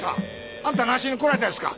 あんた何しに来られたですか？